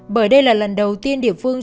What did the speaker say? bởi đây là lần đầu tiên địa phương